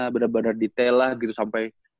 bener bener detail lah gitu sampai